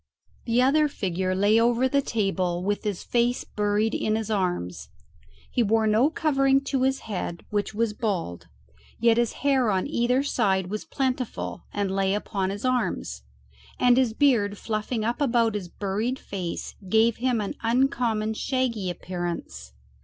The other figure lay over the table with his face buried in his arms. He wore no covering to his head, which was bald, yet his hair on either side was plentiful and lay upon his arms, and his beard fluffing up about his buried face gave him an uncommon shaggy appearance.